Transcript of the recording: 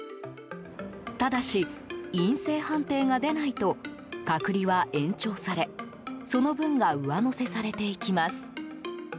ただし、陰性判定が出ないと隔離は延長されその分が上乗せされていきます。